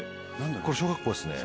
これ小学校ですね